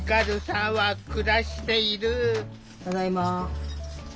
ただいま。